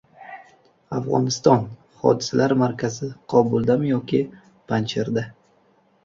Afg‘oniston: hodisalar markazi – Qobuldami yoki Panjsherda?